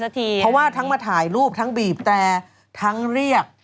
เพราะว่าทั้งมาถ่ายรูปทั้งบีบแตรทั้งเรียก